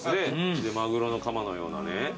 マグロのカマのようなね。